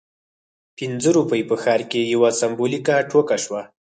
پنځه روپۍ په ښار کې یوه سمبولیکه ټوکه شوه.